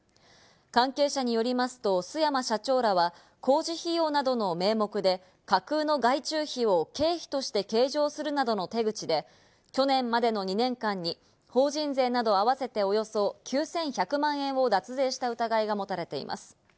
関係者によりますと、須山社長らは、工事費用などの名目で架空の外注費を経費として計上するなどの手口で去年までの２年間に法人税など合わせておよそ９１００万円を脱税した疑いが持たれています。